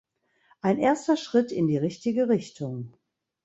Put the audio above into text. Ein erster Schritt in die richtige Richtung.